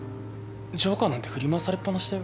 ジョーカーなんて振り回されっぱなしだよ